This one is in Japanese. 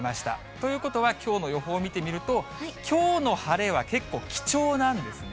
ということはきょうの予報を見てみると、きょうの晴れは結構、貴重なんですね。